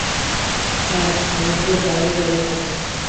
হ্যাঁ আমি গিয়ে বাইরে দাঁড়িয়ে থাকবো।